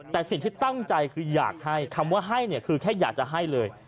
แต่สิ่งที่ตั้งใจคืออยากให้คำว่าให้เนี่ยคือแค่อยากจะให้เลย